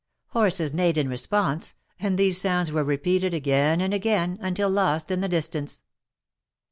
Horses neighed in response, and these sounds were repeated again and again, until lost in the distance.